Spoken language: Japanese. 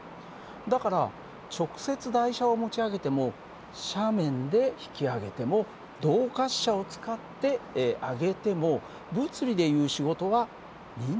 だから直接台車を持ち上げても斜面で引き上げても動滑車を使って上げても物理でいう仕事はみんな同じだ。